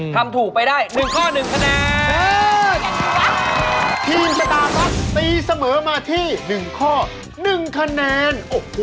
ทำถูกไปได้๑ข้อ๑คะแนน